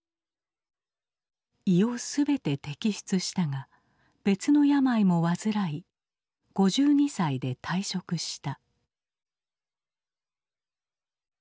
胃を全て摘出したが別の病も患い５２歳で退職した。